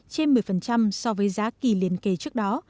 trên một mươi so với giá kỳ liên kỳ trước đó